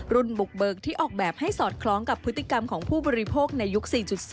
บุกเบิกที่ออกแบบให้สอดคล้องกับพฤติกรรมของผู้บริโภคในยุค๔๐